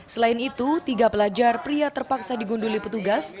selain itu tiga pelajar pria terpaksa digunduli petugas